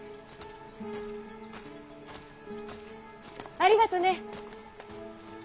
ああ。ありがとね。